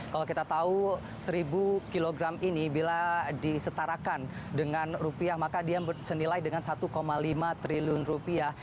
kalau kita tahu seribu kg ini bila disetarakan dengan rupiah maka dia senilai dengan satu lima triliun rupiah